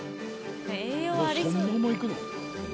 そのまま行くの？